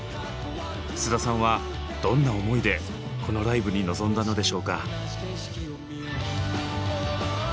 菅田さんはどんな思いでこのライブに臨んだのでしょうか？